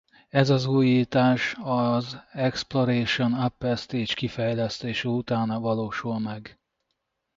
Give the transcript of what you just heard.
Ez az újítás a az Exploration Upper Stage kifejlesztése után valósul meg.